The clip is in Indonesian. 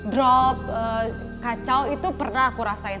drop kacau itu pernah aku rasain